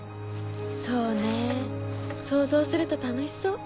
そうねぇ想像すると楽しそう。